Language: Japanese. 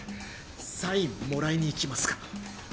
サインもらいに行きますか？